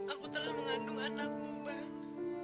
aku telah mengandung anakmu bang